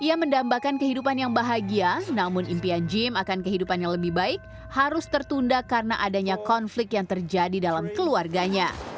ia mendambakan kehidupan yang bahagia namun impian gym akan kehidupan yang lebih baik harus tertunda karena adanya konflik yang terjadi dalam keluarganya